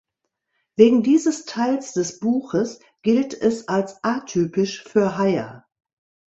Wegen dieses Teils des Buches gilt es als „atypisch“ für Heyer.